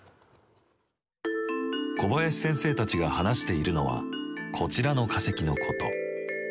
小林先生たちが話しているのはこちらの化石のこと。